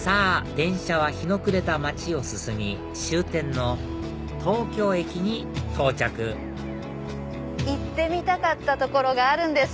電車は日の暮れた街を進み終点の東京駅に到着行ってみたかった所があるんです。